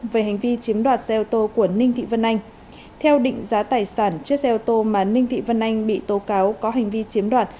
về hành vi chiếm đoạt xe ô tô của ninh thị vân anh theo định giá tài sản chiếc xe ô tô mà ninh thị vân anh bị tố cáo có hành vi chiếm đoạt